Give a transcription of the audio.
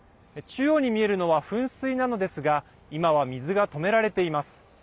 中央に見えるのは噴水なのですが今は水が止められています。